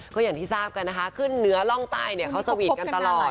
ก็อย่างที่ทราบค่ะขึ้นเหนือร่องไตเค้าสวิตรกันตลอด